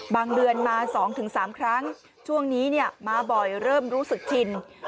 เดือนมา๒๓ครั้งช่วงนี้มาบ่อยเริ่มรู้สึกชิน